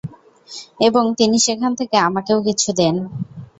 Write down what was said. এবং তিনি সেখান থেকে আমাকেও কিছু দেন।